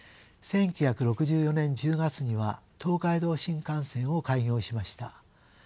１９６４年１０月には東海道新幹線を開業しました。